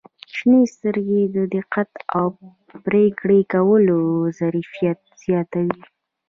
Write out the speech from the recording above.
• شنې سترګې د دقت او پرېکړې کولو ظرفیت زیاتوي.